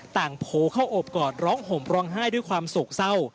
ต่างโผเข้าอบกอดร้องห่มร้องไห้ด้วยความสกเศร้า